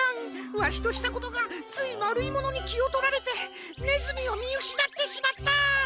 わしとしたことがついまるいものにきをとられてねずみをみうしなってしまった！